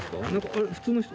あれ普通の人？